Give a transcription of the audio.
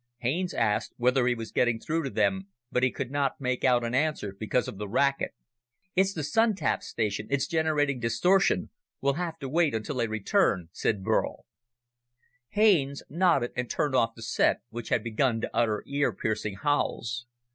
Haines asked whether he was getting through to them, but he could not make out an answer because of the racket. "It's the Sun tap station. It's generating distortion. We'll have to wait until they return," said Burl. Haines nodded and turned off the set which had begun to utter ear piercing howls.